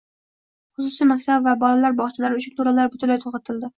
Xususiy maktab va bolalar bog'chalari uchun to'lovlar butunlay to'xtatildi